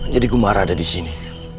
jadi gumara ada disini